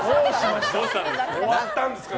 終わったんですから。